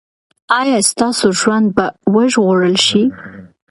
ایا ستاسو ژوند به وژغورل شي؟